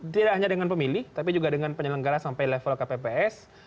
tidak hanya dengan pemilih tapi juga dengan penyelenggara sampai level kpps